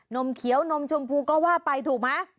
มเขียวนมชมพูก็ว่าไปถูกไหม